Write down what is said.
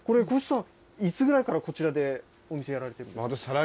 いつぐらいからこちらでお店やられてるんですか？